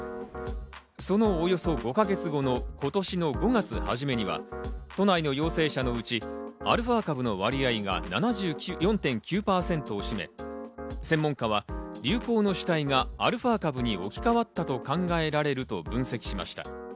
そのおよそ５か月後の今年の５月初めには都内の陽性者のうちアルファ株の割合が７４．９％を占め、専門家は流行の主体がアルファ株に置き換わったと考えられると分析しました。